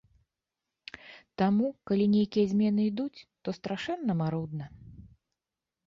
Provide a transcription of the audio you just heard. Таму, калі нейкія змены ідуць, то страшэнна марудна.